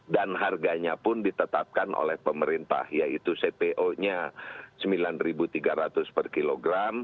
dan harganya pun ditetapkan oleh pemerintah yaitu cpo nya rp sembilan tiga ratus per kilogram